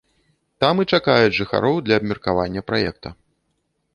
Там і чакаюць жыхароў для абмеркавання праекта.